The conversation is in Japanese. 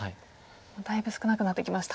だいぶ少なくなってきました。